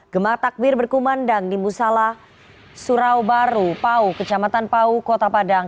gemah takbir berkumandang di musalah surau baru pau kecamatan pau kota padang